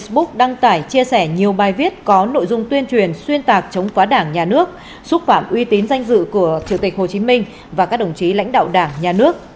bài viết có nội dung tuyên truyền xuyên tạc chống phá đảng nhà nước xúc phạm uy tín danh dự của chủ tịch hồ chí minh và các đồng chí lãnh đạo đảng nhà nước